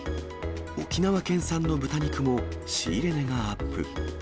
沖縄県産の豚肉も仕入れ値がアップ。